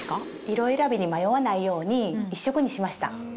色選びに迷わないように１色にしました。